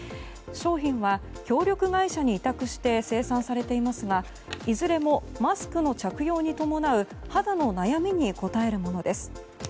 商品は協力会社に委託して生産されていますがいずれもマスクの着用に伴う肌の悩みに応えるものです。